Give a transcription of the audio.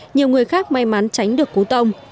nhiều người khác may mắn tránh được cú tông